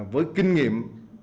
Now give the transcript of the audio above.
với kinh nghiệm